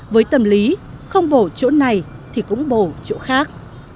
với tâm lý không bổ chỗ này thì cũng bổ chỗ khác